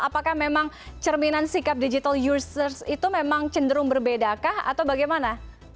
apakah memang cerminan sikap digital users itu memang cenderung berbedakah atau bagaimana